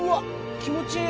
気持ちいい！